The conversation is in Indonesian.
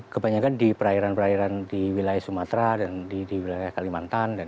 kebanyakan di perairan perairan di wilayah sumatera dan di wilayah kalimantan